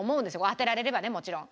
当てられればねもちろん。